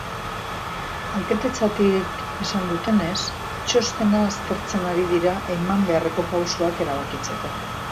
Alkatetzatik esan dutenez, txostena aztertzen ari dira, eman beharreko pausoak erabakitzeko.